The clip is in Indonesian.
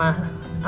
aku baik baik saja